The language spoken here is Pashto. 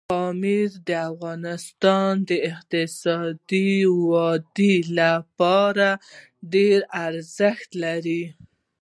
پامیر د افغانستان د اقتصادي ودې لپاره ډېر ارزښت لري.